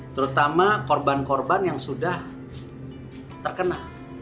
terutama korban korban yang sudah terkena